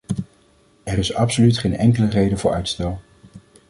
Er is absoluut geen enkele reden voor uitstel.